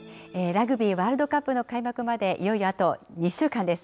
ラグビーワールドカップの開幕までいよいよあと２週間です。